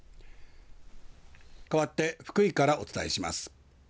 かわって福井からお伝えします。